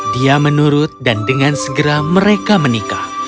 dia menurut dan dengan segera mereka menikah